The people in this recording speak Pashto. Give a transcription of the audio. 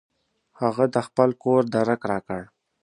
هغه د خپل کور درک راکړ.